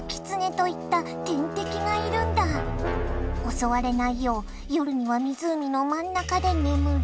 襲われないよう夜には湖の真ん中で眠る。